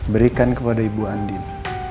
berikan kepada ibu andin